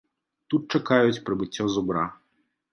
Тут чакаюць прыбыццё зубра.